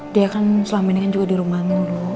dia kan selama ini kan juga dirumah mulu